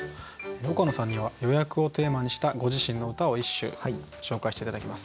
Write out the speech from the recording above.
岡野さんには「予約」をテーマにしたご自身の歌を一首紹介して頂きます。